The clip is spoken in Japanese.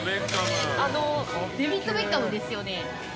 デビッド・ベッカムですよね？